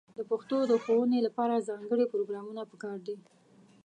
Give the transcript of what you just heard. د پښتو د ښوونې لپاره ځانګړې پروګرامونه په کار دي.